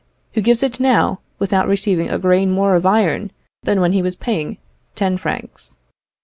who gives it now without receiving a grain more of iron than when he was paying ten francs.